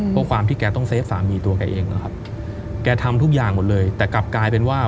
เพราะความที่แกต้องเฟฟสามีตัวแกเองนะครับแกทำทุกอย่างหมดเลยแต่กลับกลายเป็นว่า